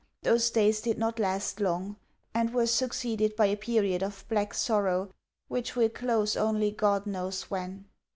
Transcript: those days did not last long, and were succeeded by a period of black sorrow which will close only God knows when!